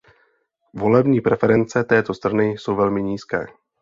Volební preference této strany jsou velmi nízké.